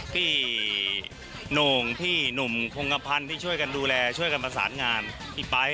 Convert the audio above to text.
พี่โหน่งพี่หนุ่มคงกระพันธ์ที่ช่วยกันดูแลช่วยกันประสานงานพี่ไป๊